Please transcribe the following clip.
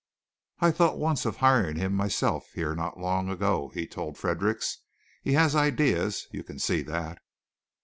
"I thought once of hiring him myself here not long ago," he told Fredericks. "He has ideas, you can see that."